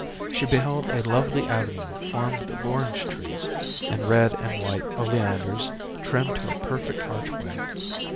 She beheld a lovely avenue formed of orange trees and red and white oleanders trimmed to a perfect archway.